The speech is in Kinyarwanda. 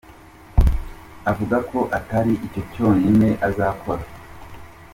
Avuga ko atari icyo cyonyine azakora.